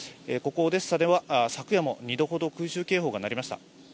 ここオデッサでは昨夜も２度ほど空襲警報が鳴りました。